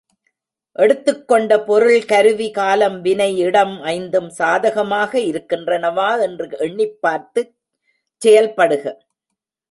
எடுத்துக்கொண்ட பொருள், கருவி, காலம், வினை, இடம் ஐந்தும் சாதகமாக இருக்கின்றனவா என்று எண்ணிப் பார்த்துச் செயல்படுக.